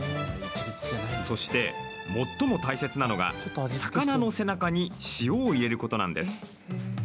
そして、最も大切なのが魚の背中に塩を入れることなんです。